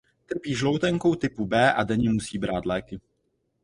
Trpí žloutenkou typu B a denně musí brát léky.